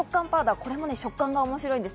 これも食感が面白いです。